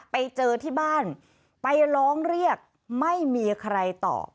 ไปเจอที่บ้านไปร้องเรียกไม่มีใครตอบ